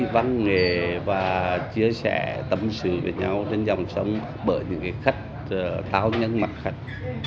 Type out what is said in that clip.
công nghệ và chia sẻ tâm sự với nhau trên dòng sông bởi những khách tháo nhấn mặt khách